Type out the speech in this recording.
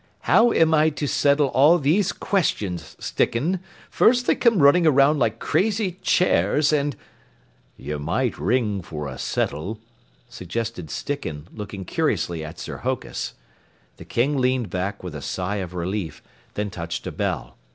"How am I to settle all these questions, Sticken? First they come running around like crazy chairs, and " "You might ring for a settle," suggested Sticken, looking curiously at Sir Hokus. The King leaned back with a sigh of relief, then touched a bell.